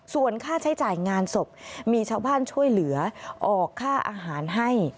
ส่วนค่าใช้จ่ายงานศพมีชาวบ้านช่วยเหลือออกค่าอาหารให้